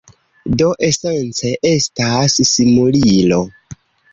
Do esence estas simulilo.